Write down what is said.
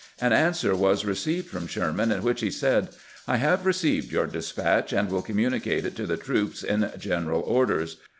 An answer was received from Sherman, in which he said :" I have received your despatch, and will communicate it to the troops in general orders.